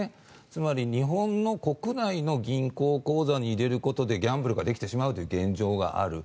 つまり日本の国内の銀行口座に入れることでギャンブルができてしまうという現状がある。